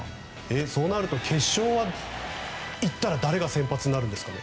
そうなると決勝に行ったら誰が先発になるんですかね。